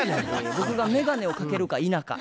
僕が眼鏡をかけるか否か。